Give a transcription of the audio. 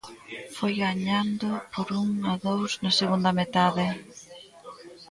Foi gañando por un a dous na segunda metade.